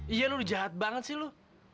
iya lu jahat banget sih lo